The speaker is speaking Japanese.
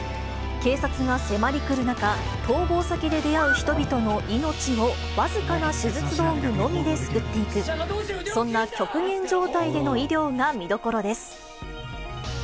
警察が迫り来る中、逃亡先で出会う人々の命をわずかな手術道具のみで救っていく、そんな極限状態での医療が見どころです。